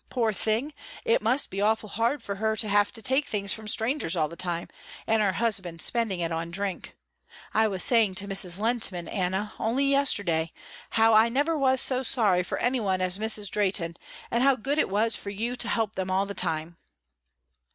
Poor thing it must be awful hard for her to have to take things from strangers all the time, and her husband spending it on drink. I was saying to Mrs. Lehntman, Anna, only yesterday, how I never was so sorry for any one as Mrs. Drehten, and how good it was for you to help them all the time."